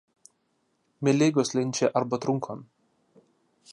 Mi ligos lin ĉe arbotrunkon.